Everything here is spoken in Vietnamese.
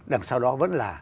đằng sau đó vẫn là